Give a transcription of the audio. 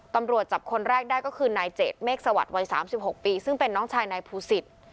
ตำรวจจับคนแรกได้ก็คือนายเจดเมฆสวัสดิ์วัย๓๖ปีซึ่งเป็นน้องชายนายภูสิต